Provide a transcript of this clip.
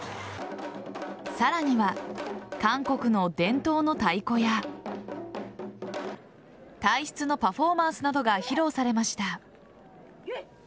さらには、韓国の伝統の太鼓や大筆のパフォーマンスなどが披露されました。